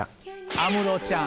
安室ちゃん。